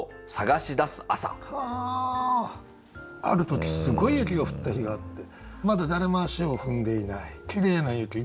ある時すごい雪が降った日があってまだ誰も足を踏んでいないきれいな雪。